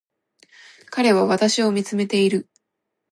彼は私を見つめている